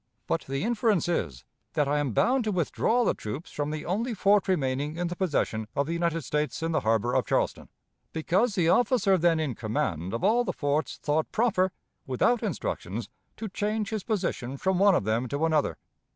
But the inference is, that I am bound to withdraw the troops from the only fort remaining in the possession of the United States in the harbor of Charleston, because the officer then in command of all the forts thought proper, without instructions, to change his position from one of them to another.